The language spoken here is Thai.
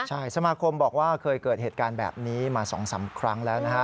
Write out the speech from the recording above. ใช่สมาคมบอกว่าเคยเกิดเหตุการณ์แบบนี้มา๒๓ครั้งแล้วนะฮะ